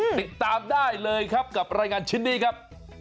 ติดตามได้เลยครับกับรายงานชิ้นนี้ครับ